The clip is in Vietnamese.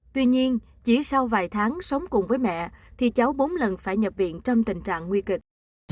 tuy nhiên chỉ sau vài tháng sống cùng với mẹ thì cháu bốn lần phải nhập viện trong tình trạng nguy kịch